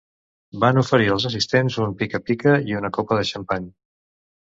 Van oferir als assistents un pica-pica i una copa de xampany.